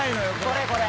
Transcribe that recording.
これこれ。